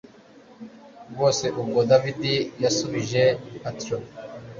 rwose ubwo david yasubije atyo